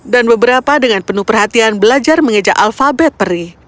dan beberapa dengan penuh perhatian belajar mengejak alfabet peri